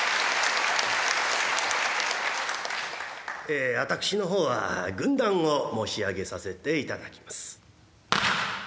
え私の方は軍談を申し上げさせていただきます。